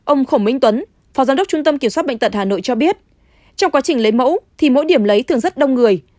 ông khổng minh tuấn phó giám đốc trung tâm kiểm soát bệnh tật hà nội cho biết trong quá trình lấy mẫu thì mỗi điểm lấy thường rất đông người